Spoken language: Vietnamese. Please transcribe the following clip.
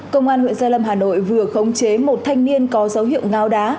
công an huyện gia lâm hà nội vừa khống chế một thanh niên có dấu hiệu ngáo đá